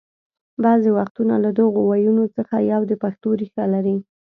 بعضې وختونه له دغو ويونو څخه یو د پښتو ریښه لري